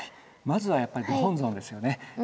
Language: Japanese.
まずはやっぱりご本尊ですよね。